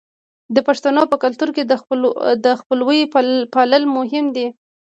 د پښتنو په کلتور کې د خپلوۍ پالل مهم دي.